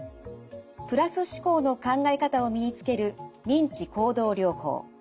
プラス思考の考え方を身につける認知行動療法。